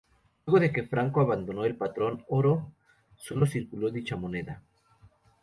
Luego de que el franco abandonó el patrón oro, sólo circuló dicha moneda.